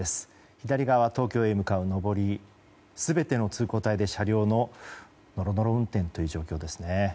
左側、東京へ向かう上りの全ての通行帯で車両のノロノロ運転という状況ですね。